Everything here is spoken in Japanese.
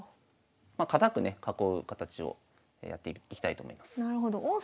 堅くね囲う形をやっていきたいと思います。